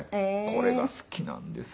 これが好きなんですよ。